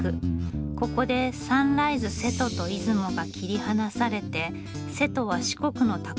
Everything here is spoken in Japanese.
ここでサンライズ瀬戸と出雲が切り離されて瀬戸は四国の高松駅へ。